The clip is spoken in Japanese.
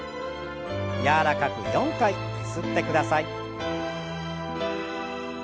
柔らかく４回ゆすってください。